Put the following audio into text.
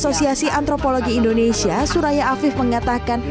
asosiasi antropologi indonesia suraya afif mengatakan